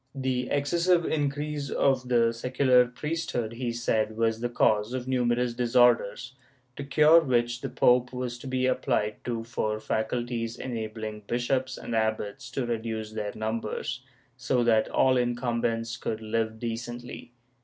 The excessive increase of the secular priesthood, he said, was the cause of numerous disorders, to cure which the pope was to be apphed to for faculties enabling bishops and abbots to reduce their numbers, so that all incumbents could live decently.